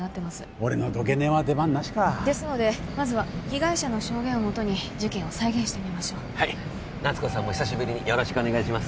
俺の土下寝は出番なしかですのでまずは被害者の証言をもとに事件を再現してみましょう奈津子さんも久しぶりによろしくお願いします